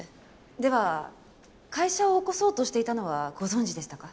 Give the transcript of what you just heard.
では会社を起こそうとしていたのはご存じでしたか？